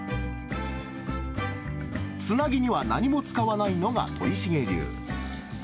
つなぎには何も使わないのが鳥茂流。